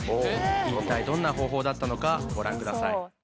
一体どんな方法だったのかご覧ください。